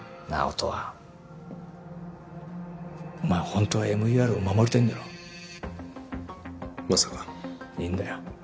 音羽お前ホントはＭＥＲを守りたいんだろまさかいいんだよ